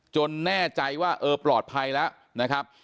แน่ใจว่าเออปลอดภัยแล้วนะครับ